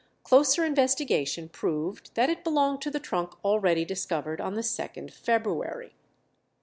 Closer investigation proved that it belonged to the trunk already discovered on the 2nd February.